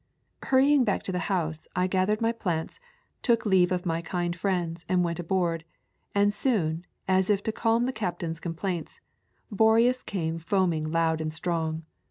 Hurrying back to the house, I gathered my plants, took leave of my kind friends, and went aboard, and soon, as if to calm the cap tain's complaints, Boreas came foaming loud and strong.